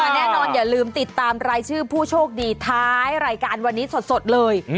แน่นอนอย่าลืมติดตามรายชื่อผู้โชคดีท้ายรายการวันนี้สดเลย